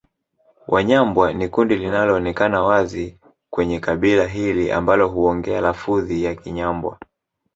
Wanyambwa ni kundi linaloonekana wazi kwenye kabila hili ambao huongea lafudhi ya Kinyambwa